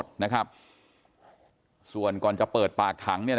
กลุ่มตัวเชียงใหม่